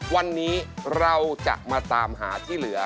วันนี้เราจะมาตามหาที่เหลือ